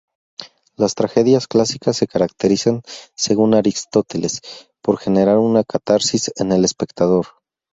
Las tragedias clásicas se caracterizan, según Aristóteles, por generar una catarsis en el espectador.